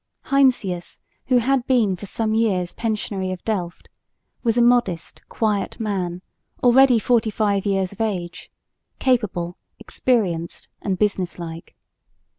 Heinsius, who had been for some years Pensionary of Delft, was a modest, quiet man, already forty five years of age, capable, experienced and business like.